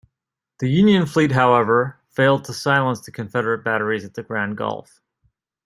The Union fleet, however, failed to silence the Confederate batteries at Grand Gulf.